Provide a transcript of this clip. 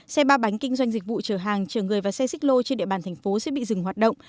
xe ba bánh kinh doanh dịch vụ chở hàng chở người và xe xích lô trên địa bàn thành phố sẽ bị dừng hoạt động